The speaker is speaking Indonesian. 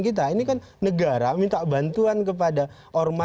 kemudian ditangkap di mana